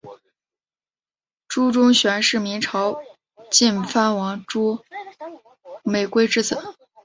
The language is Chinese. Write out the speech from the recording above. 朱钟铉是明朝晋藩王朱美圭之子。